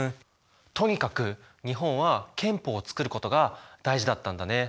とにかく日本は憲法を作ることが大事だったんだね。